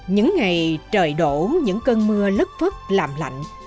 những ngày trời đổ những cơn mưa lứt phức làm lạnh